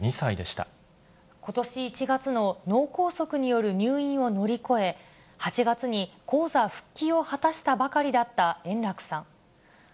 ことし１月の脳梗塞による入院を乗り越え、８月に高座復帰を果たしたばかりだった円楽さん。